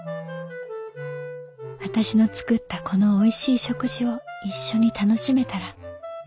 「私の作ったこのおいしい食事を一緒に楽しめたら。